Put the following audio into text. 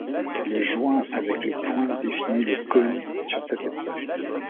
Le joint avec le point définit le cône sur cet espace.